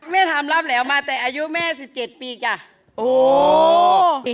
แม่ทำราบแหลวมาแต่อายุแม่๑๗ปีสิ